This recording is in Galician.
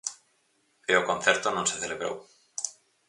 E o concerto non se celebrou.